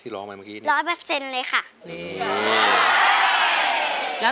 ร้องอะไรมาก็คือ